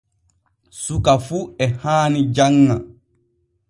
Suka fu e haani janŋa.